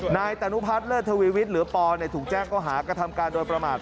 นายตานุพัฒน์เลิศทวีวิทย์หรือปอถูกแจ้งเขาหากระทำการโดยประมาท